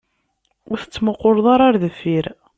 Ur tettmuqquleḍ ara ɣer deffir.